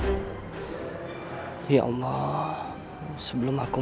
kita ga ada yang coron